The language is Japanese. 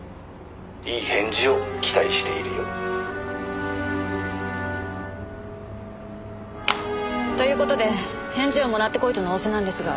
「いい返事を期待しているよ」という事で返事をもらってこいとの仰せなんですが。